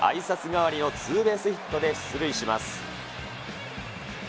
代わりのツーベースヒットで出塁します。